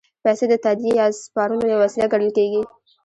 پیسې د تادیې یا سپارلو یوه وسیله ګڼل کېږي